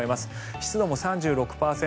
湿度も３６％。